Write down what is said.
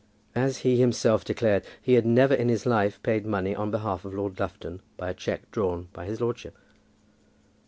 As he himself declared, he had never in his life paid money on behalf of Lord Lufton by a cheque drawn by his lordship.